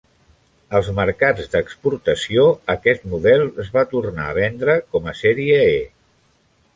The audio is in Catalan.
Als mercats d'exportació aquest model es va tornar a vendre com a sèrie E.